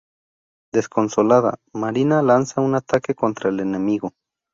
Desconsolada, Marina lanza un ataque contra el enemigo.